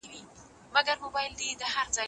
نبي علیه سلام د سخاوت امر کړی دی.